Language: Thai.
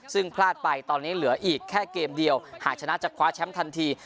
ซึ่งพลาดไปตอนนี้เหลืออีกแค่เกมเดียวหากชนะจะคว้าแชมป์ทันที